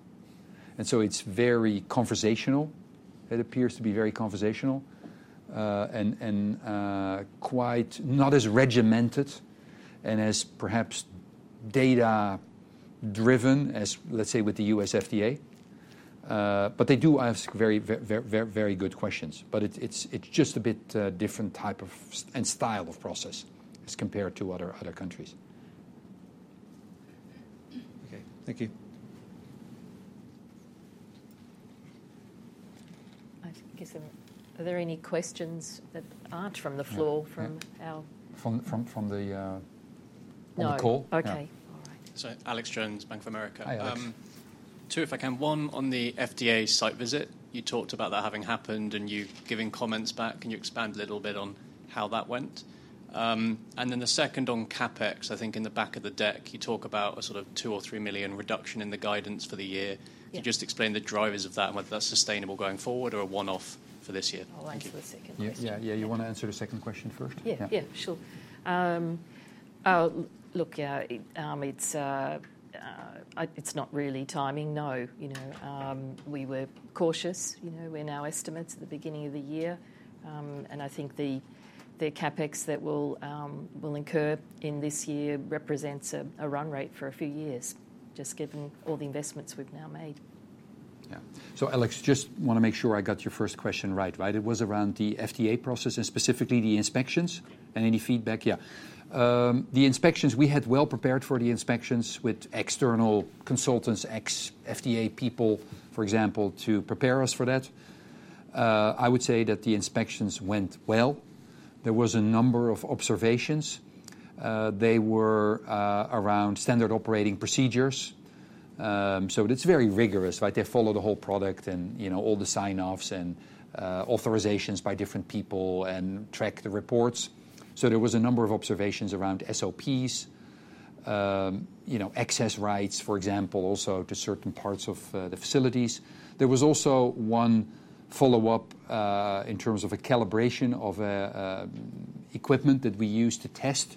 and so it's very conversational. It appears to be very conversational and quite not as regimented and as perhaps data-driven as, let's say, with the U.S. FDA, but they do ask very good questions, but it's just a bit different type of and style of process as compared to other countries. Okay. Thank you. Are there any questions that aren't from the floor from our? From the call? No. Okay. All right. Sorry. Alex Jones, Bank of America. Two, if I can. One on the FDA site visit. You talked about that having happened and you giving comments back, and you expand a little bit on how that went. And then the second on CapEx, I think in the back of the deck, you talk about a sort of two or three million reduction in the guidance for the year. You just explained the drivers of that and whether that's sustainable going forward or a one-off for this year. I'll answer the second one. Yeah. Yeah. You want to answer the second question first? Yeah. Yeah. Sure. Look, yeah, it's not really timing. No. We were cautious in our estimates at the beginning of the year, and I think the CapEx that will incur in this year represents a run rate for a few years just given all the investments we've now made. Yeah. So Alex, just want to make sure I got your first question right. Right? It was around the FDA process and specifically the inspections and any feedback. Yeah. The inspections, we had well prepared for the inspections with external consultants, ex-FDA people, for example, to prepare us for that. I would say that the inspections went well. There was a number of observations. They were around standard operating procedures. So it's very rigorous. Right? They follow the whole product and all the sign-offs and authorizations by different people and track the reports. So there was a number of observations around SOPs, access rights, for example, also to certain parts of the facilities. There was also one follow-up in terms of a calibration of equipment that we used to test.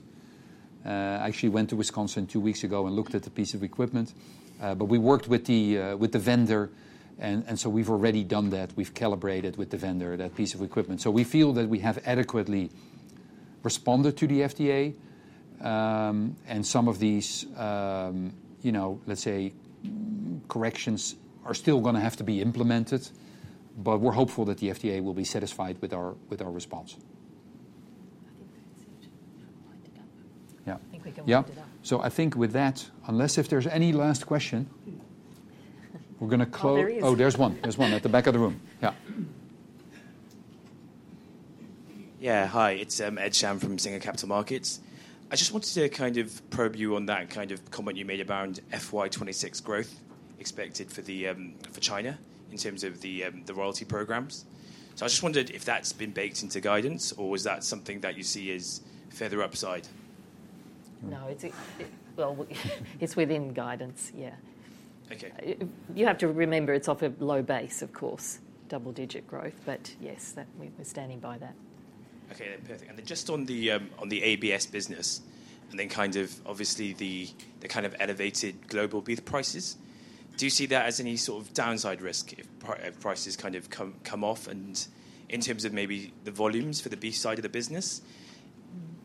I actually went to Wisconsin two weeks ago and looked at the piece of equipment. But we worked with the vendor, and so we've already done that. We've calibrated with the vendor that piece of equipment. So we feel that we have adequately responded to the FDA. And some of these, let's say, corrections are still going to have to be implemented, but we're hopeful that the FDA will be satisfied with our response. I think we can wind it up. Yeah. So I think with that, unless if there's any last question, we're going to close. Oh, there is. Oh, there's one. There's one at the back of the room. Yeah. Yeah. Hi. It's Ed Sham from Singer Capital Markets. I just wanted to kind of probe you on that kind of comment you made around FY 2026 growth expected for China in terms of the royalty programs. So I just wondered if that's been baked into guidance, or is that something that you see as further upside? No. Well, it's within guidance. Yeah. You have to remember it's off a low base, of course, double-digit growth. But yes, we're standing by that. Okay. Perfect. And then just on the ABS business and then kind of obviously the kind of elevated global beef prices, do you see that as any sort of downside risk if prices kind of come off? And in terms of maybe the volumes for the beef side of the business,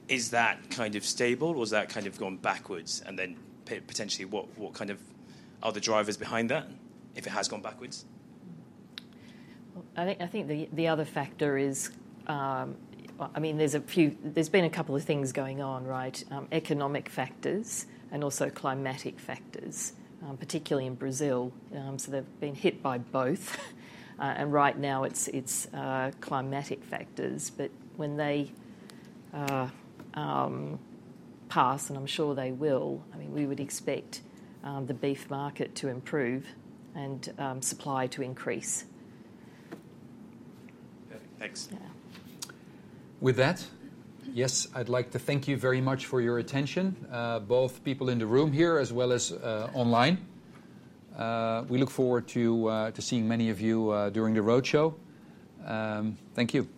is that kind of stable, or has that kind of gone backwards? And then potentially, what kind of are the drivers behind that if it has gone backwards? I think the other factor is, I mean, there's been a couple of things going on, right, economic factors and also climatic factors, particularly in Brazil. So they've been hit by both. And right now it's climatic factors. But when they pass, and I'm sure they will, I mean, we would expect the beef market to improve and supply to increase. Perfect. Thanks. With that, yes, I'd like to thank you very much for your attention, both people in the room here as well as online. We look forward to seeing many of you during the roadshow. Thank you.